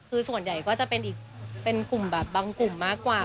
คือส่วนใหญ่ก็จะเป็นอีกเป็นกลุ่มแบบบางกลุ่มมากกว่า